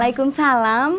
sampai jumpa lagi